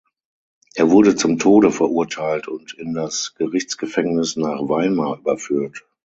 Er wurde zum Tode verurteilt und in das Gerichtsgefängnis nach Weimar überführt.